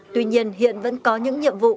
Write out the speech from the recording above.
tuy nhiên hiện vẫn có những nhiệm vụ